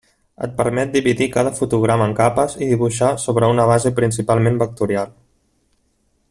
Et permet dividir cada fotograma en capes i dibuixar sobre una base principalment vectorial.